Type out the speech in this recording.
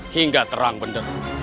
hingga terang benar